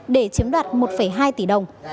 để chiếm đoạt một hai tỷ đồng